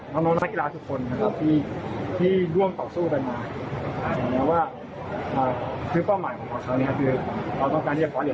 นักกีฬาทุกคนนะครับที่ที่ร่วมต่อสู้ดันนาแต่ว่าคือ